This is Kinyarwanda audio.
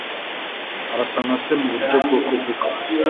Arasa na se muburyo bwo kuvuga.